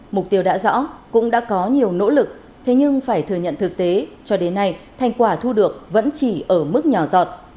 mục tiêu đã rõ cũng đã có nhiều nỗ lực thế nhưng phải thừa nhận thực tế cho đến nay thành quả thu được vẫn chỉ ở mức nhỏ giọt